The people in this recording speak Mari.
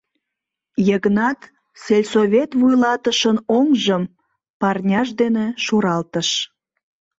— Йыгнат сельсовет вуйлатышын оҥжым парняж дене шуралтыш.